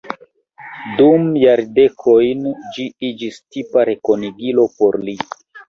Dum jardekojn ĝi iĝis tipa rekonigilo por li.